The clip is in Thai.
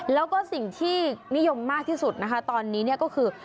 แล้วก็สิ่งที่นิยมมากที่สุดนะคะตอนนี้เนี่ยก็คือ